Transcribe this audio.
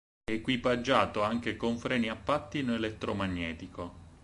È equipaggiato anche con freni a pattino elettromagnetico.